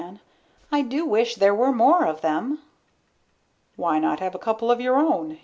"I do wish there were more of them." "Why not have a couple of your own?"